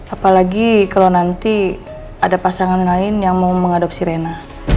apalagi kalau nanti ada pasangan lain yang mau mengadopsi rena